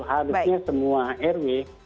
harusnya semua rw